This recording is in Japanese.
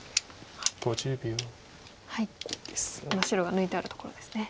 今白が抜いてあるところですね。